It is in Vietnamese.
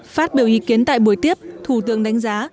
phát biểu ý kiến tại buổi tiếp thủ tướng đánh giá